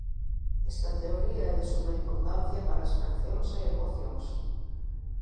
Esta teoría é de suma importancia para as fraccións e ecuacións.